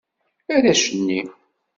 Arrac-nni.